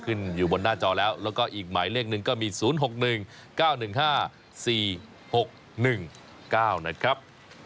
อยู่บนหน้าจอแล้วแล้วก็อีกหมายเลขหนึ่งก็มี๐๖๑๙๑๕๔๖๑๙นะครับ